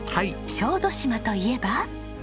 小豆島といえば？